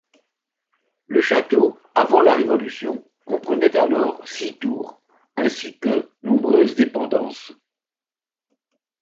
Le château, avant la Révolution comprenait alors six tours, ainsi que nombreuses dépendances.